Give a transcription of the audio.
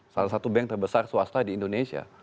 salah satu bank terbesar swasta di indonesia